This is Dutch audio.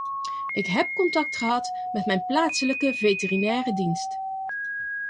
Ik heb contact gehad met mijn plaatselijke veterinaire dienst.